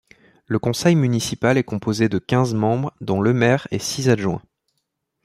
Le conseil municipal est composé de quinze membres dont le maire et six adjoints.